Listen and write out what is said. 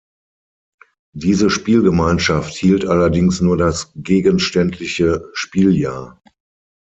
Diese Spielgemeinschaft hielt allerdings nur das gegenständliche Spieljahr.